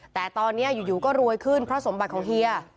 แต่ตอนนี้อยู่ก็รวยขึ้นเพราะสมบัติของเฮีย